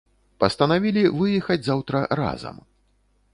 Пастанавілі выехаць заўтра разам.